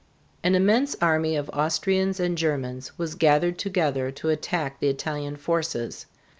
An immense army of Austrians and Germans was gathered together to attack the Italian forces.